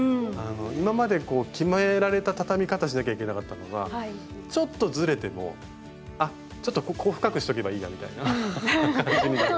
今まで決められた畳み方しなきゃいけなかったのがちょっとズレてもあっちょっとここを深くしとけばいいやみたいな感じに。